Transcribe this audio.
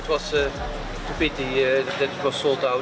karena pemenangnya adalah orang tujuh